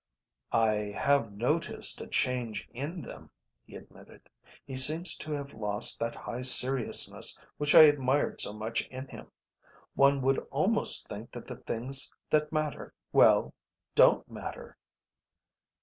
"I have noticed a change in them," he admitted. "He seems to have lost that high seriousness which I admired so much in him. One would almost think that the things that matter well, don't matter."